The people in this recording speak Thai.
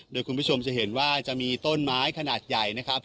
โดยคุณผู้ชมจะเห็นว่าจะมีต้นไม้ขนาดใหญ่นะครับ